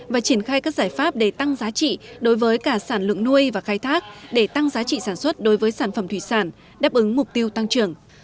và triển khai các giải pháp để tăng giá trị đối với cả sản lượng nuôi và khai thác để tăng giá trị sản xuất đối với sản phẩm thủy sản đáp ứng mục tiêu tăng trưởng